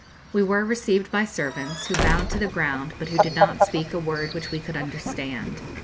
We were received by servants, who bowed to the ground, but who did not speak a word which we could understand.